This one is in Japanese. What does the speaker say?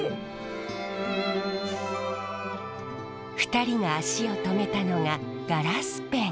２人が足を止めたのがガラスペン。